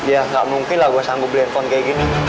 ya gak mungkin lah gue sanggup beli handphone kayak gini